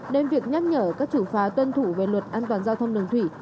nên việc nhắc nhở các chủ phá tuân thủ về luật an toàn giao thông đường thủy